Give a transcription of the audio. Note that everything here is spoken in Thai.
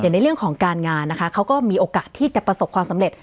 ในเรื่องของการงานนะคะเขาก็มีโอกาสที่จะประสบความสำเร็จ